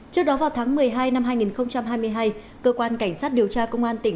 trước đó vào tháng một mươi hai năm hai nghìn hai mươi hai cơ quan cảnh sát điều tra công an tỉnh